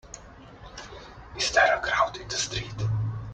Is there a crowd in the street?